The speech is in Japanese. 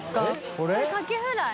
これカキフライ？